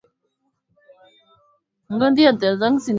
Rais Kenyatta ambaye ni Mwenyekiti wa Afrika mashariki